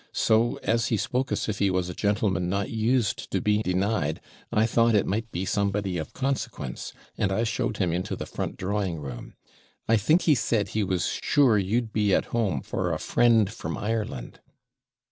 So, as he spoke as if he was a gentleman not used to be denied, I thought it might be somebody of consequence, and I showed him into the front drawing room. I think he said he was sure you'd be at home for a friend from Ireland.'